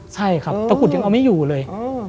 ใช่ครับตะกุดยังเอาไม่อยู่เลย